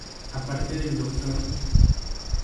Aparte del Dr.